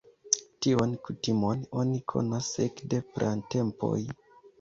Tion kutimon oni konas ekde pratempoj.